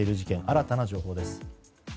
新たな情報です。